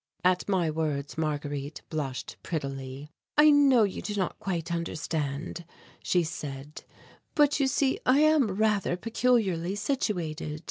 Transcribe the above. At my words Marguerite blushed prettily. "I know you do not quite understand," she said, "but you see I am rather peculiarly situated.